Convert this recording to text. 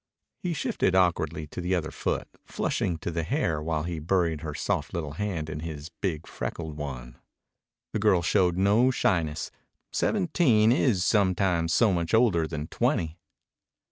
He shifted awkwardly to the other foot, flushing to the hair while he buried her soft little hand in his big freckled one. The girl showed no shyness. Seventeen is sometimes so much older than twenty.